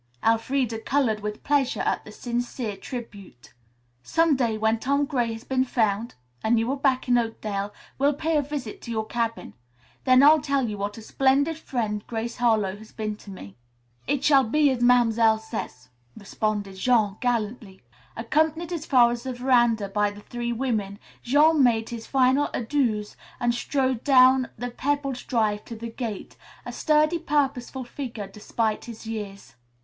Elfreda colored with pleasure at the sincere tribute. "Some day, when Tom Gray has been found and you are back again in Oakdale, we'll pay a visit to your cabin. Then I'll tell you what a splendid friend Grace Harlowe has been to me." "It shall be as Mam'selle says," responded Jean gallantly. Accompanied as far as the veranda by the three women, Jean made his final adieus and strode down the pebbled drive to the gate, a sturdy, purposeful figure, despite his years.